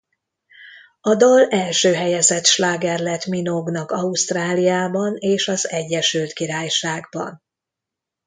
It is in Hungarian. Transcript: A dal első helyezett sláger lett Minogue-nak Ausztráliában és az Egyesült Királyságban.